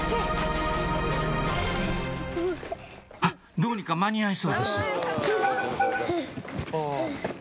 どうにか間に合いそうです